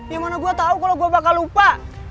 yang mana gue tahu kalau gue bakal lupa